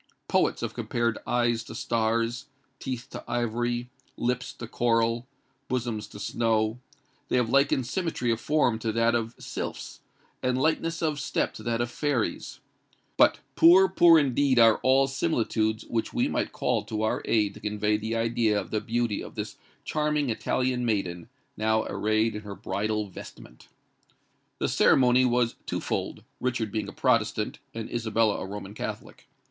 Poets have compared eyes to stars—teeth to ivory—lips to coral—bosoms to snow;—they have likened symmetry of form to that of sylphs, and lightness of step to that of fairies;—but poor, poor indeed are all similitudes which we might call to our aid to convey an idea of the beauty of this charming Italian maiden, now arrayed in her bridal vestment! The ceremony was twofold, Richard being a Protestant and Isabella a Roman Catholic.